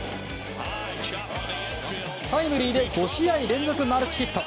タイムリーで５試合連続のマルチヒット。